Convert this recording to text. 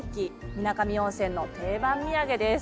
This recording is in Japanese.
水上温泉の定番土産です。